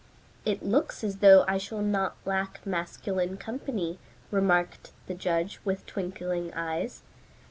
"It looks as though I shall not lack masculine company," remarked the judge, with twinkling eyes.